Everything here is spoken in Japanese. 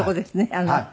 あの。